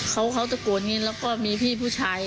เขาตะโกนนี้แล้วก็มีพี่ผู้ชาย